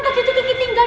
gak gitu gitu tinggal